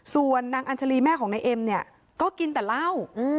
ส่วนนางอัญชาลีแม่ของนายเอ็มเนี่ยก็กินแต่เหล้า